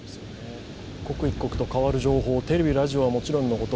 刻一刻と変わる情報、テレビ・ラジオはもちろんのこと